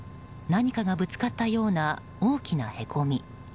何かがぶつかったような大きなへこみ。